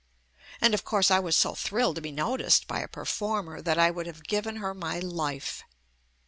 and of course I was so thrilled to be noticed by a performer that I would have given her my life.